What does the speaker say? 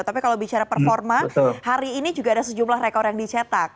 tapi kalau bicara performa hari ini juga ada sejumlah rekor yang dicetak